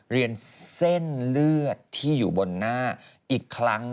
เรียนเส้นเลือดที่อยู่บนหน้าอีกครั้ง